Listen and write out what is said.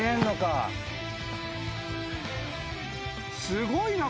すごいな！